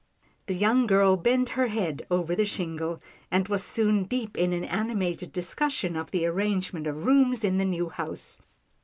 The young girl bent her head over the shingle, and was soon deep in an animated discussion of the arrangement of rooms in the new house.